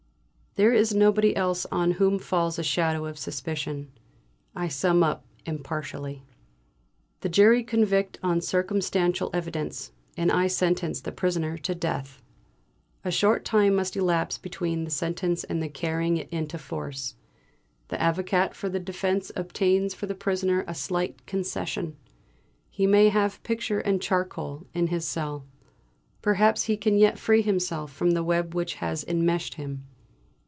There is nobody else on whom falls a shadow of suspicion. I sum up impartially. The jury convict on circumstantial evidence, and I sentence the prisoner to death. A short time must elapse between the sentence and carrying it into force. The Avocat for the defence obtains for the prisoner a slight concession; he may have picture and charcoal in his cell. Perhaps he can yet free himself from the web which has inmeshed him!